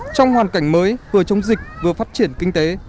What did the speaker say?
trong hoàn cảnh mới vừa chống dịch vừa phát triển kinh tế